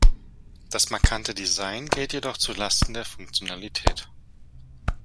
Das markante Design geht jedoch zu Lasten der Funktionalität.